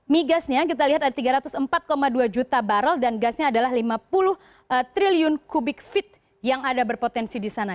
migasnya kita lihat ada tiga ratus empat dua juta barrel dan gasnya adalah lima puluh triliun kubik feed yang ada berpotensi di sana